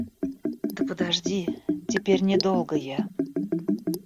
Да подожди, теперь не долго я...